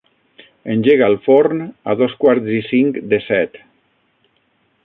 Engega el forn a dos quarts i cinc de set.